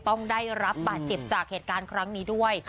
ต้องได้รับบาดเจ็บจากเหตุการณ์ครั้งนี้ด้วย